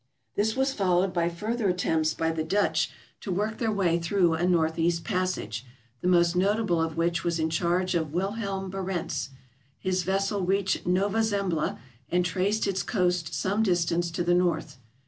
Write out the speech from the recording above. This was followed by further attempts by the Dutch to work their way through a northeast passage, the most notable of which was in charge of Will em Barentz. His vessel reached Nova Zembla and traced its coast some distance to the north.